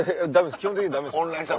基本的にダメです。